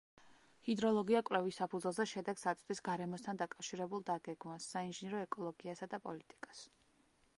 ჰიდროლოგია კვლევის საფუძველზე შედეგს აწვდის გარემოსთან დაკავშირებულ დაგეგმვას, საინჟინრო ეკოლოგიასა და პოლიტიკას.